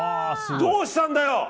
どうしたんだよ！